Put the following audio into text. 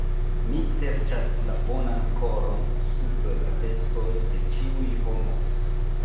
Ni serĉas la bonan koron sub la vestoj de ĉiuj homoj.